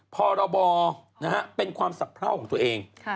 พรบเป็นความสะเพราของตัวเอง